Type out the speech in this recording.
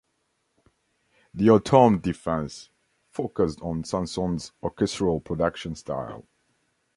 "The Autumn Defense" focused on Sansone's orchestral production style.